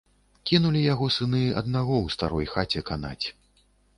Кінулі яго сыны аднаго ў старой хаце канаць.